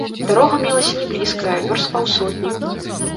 Дарога мелася не блізкая, вёрст з паўсотні.